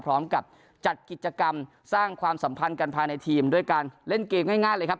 พร้อมกับจัดกิจกรรมสร้างความสัมพันธ์กันภายในทีมด้วยการเล่นเกมง่ายเลยครับ